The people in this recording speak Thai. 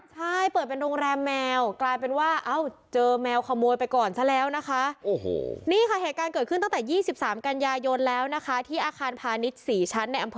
ใช่เปิดเป็นโรงแรมแมวกลายเป็นว่าเจอแมวขโมยไปก่อนซะแล้วนะคะ